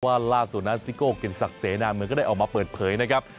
ล่าสุดนั้นซิโก้กิจศักดิ์เสนาเมืองก็ได้ออกมาเปิดเผยนะครับ